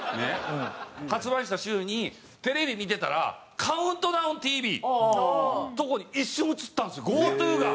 発売した週にテレビ見てたら『ＣＤＴＶ』のとこに一瞬映ったんですよＧＯ☆ＴＯが！